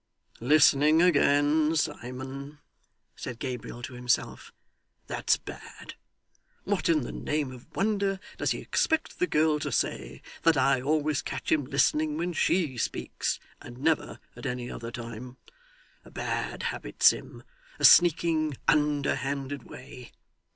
'Listening again, Simon!' said Gabriel to himself. 'That's bad. What in the name of wonder does he expect the girl to say, that I always catch him listening when SHE speaks, and never at any other time! A bad habit, Sim, a sneaking, underhanded way.